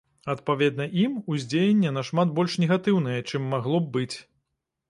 Адпаведна ім уздзеянне нашмат больш негатыўнае, чым магло б быць.